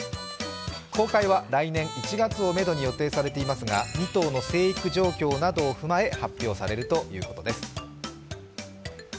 公開は来年１月をめどに予定されていますが２頭の生育状況などを踏まえ発表されるということです。